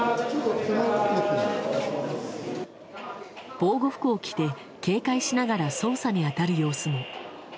防護服を着て、警戒しながら捜査に当たる様子も。